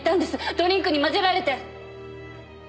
ドリンクに混ぜられて。